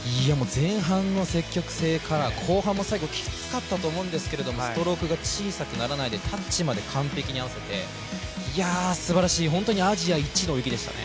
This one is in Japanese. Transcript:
前半の積極性から、後半も最後きつかったと思うんですけど、ストロークが小さくならないで、タッチまで完璧に合わせてすばらしい、本当にアジアいちの泳ぎでしたね。